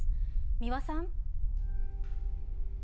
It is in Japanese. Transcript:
三輪さん。